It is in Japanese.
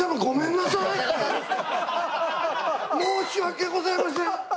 申し訳ございません！